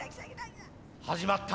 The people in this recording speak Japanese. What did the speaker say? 始まった。